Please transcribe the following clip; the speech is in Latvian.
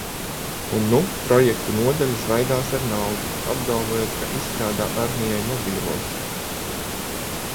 Un nu projektu nodaļa svaidās ar naudu, apgalvojot, ka izstrādā armijai mobilos?